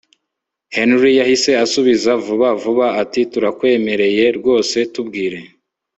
Henry yahise asubiza vuba vuba ati turakwemereye rwose tubwire